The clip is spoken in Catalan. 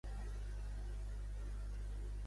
També arriba en hivern fins a les illes Hawaii.